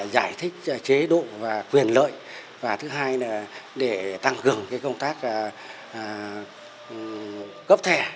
giải thích chế độ và quyền lợi và thứ hai là để tăng cường công tác cấp thẻ